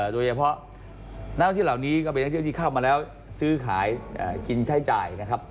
โดยเฉพาะนักท่องเที่ยวเหล่านี้ก็เป็นนักเที่ยวที่เข้ามาแล้วซื้อขายกินใช้จ่ายนะครับ